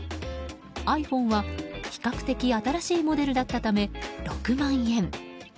ｉＰｈｏｎｅは比較的新しいモデルだったため６万円。